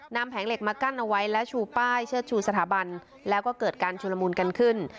แผงเหล็กมากั้นเอาไว้และชูป้ายเชิดชูสถาบันแล้วก็เกิดการชุลมูลกันขึ้น